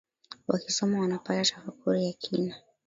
wakisoma wanapata tafakuri ya kina